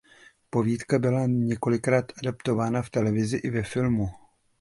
Povídka byla několikrát adaptována v televizi i ve filmu.